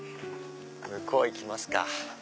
向こう行きますか。